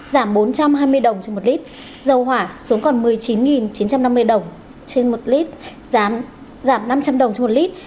dầu hỏa xuống còn một mươi chín chín trăm năm mươi đồng trên một lít giảm năm trăm linh đồng trên một lít